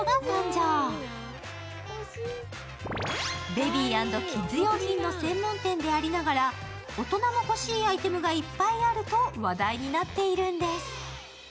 ベビー＆キッズ用品の専門店でありながら大人も欲しいアイテムがいっぱいあると話題になっているんです。